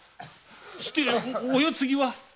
してお世継ぎは？